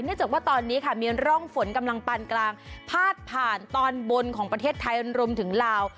จากว่าตอนนี้ค่ะมีร่องฝนกำลังปานกลางพาดผ่านตอนบนของประเทศไทยรวมถึงลาว